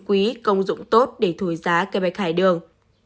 quý công dụng tốt để thổi giá cây bạch hải đường